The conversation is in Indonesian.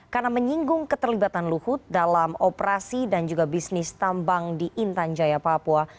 karena menyinggung keterlibatan luhut dalam operasi dan juga bisnis tambang di intan jaya papua